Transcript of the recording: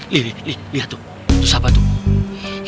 lihat tuh tuh siapa tuh